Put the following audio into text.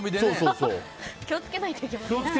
気を付けないといけませんね。